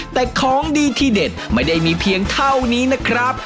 แต่ของดีที่เด็ดไม่ได้มีเพียงเท่านี้นะครับ